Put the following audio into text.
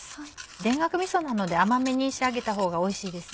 田楽みそなので甘めに仕上げたほうがおいしいです。